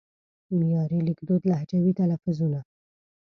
معیاري لیکدود لهجوي تلفظونه